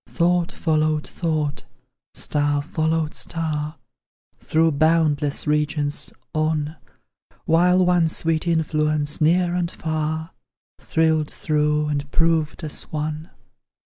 Thought followed thought, star followed star, Through boundless regions, on; While one sweet influence, near and far, Thrilled through, and proved us one!